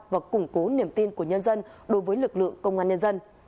và củng cố niềm tin của nhân dân đối với lực lượng công an nhân dân